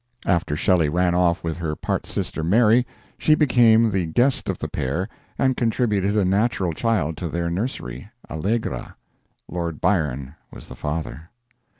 After Shelley ran off with her part sister Mary, she became the guest of the pair, and contributed a natural child to their nursery Allegra. Lord Byron was the father.